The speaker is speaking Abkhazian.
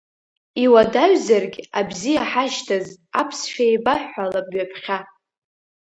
Иуадаҩзаргь абзиа ҳашьҭаз, аԥсшәа еибаҳҳәалап ҩаԥхьа.